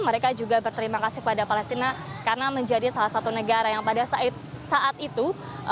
mereka juga berterima kasih kepada palestina karena menjadi salah satu negara yang pada saat itu